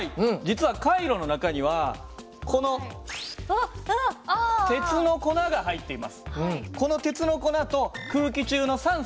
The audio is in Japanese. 実はカイロの中にはこの鉄の粉が入っています。